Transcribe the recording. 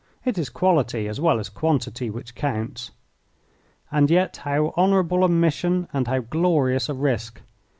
It is quality as well as quantity which counts. And yet how honourable a mission and how glorious a risk!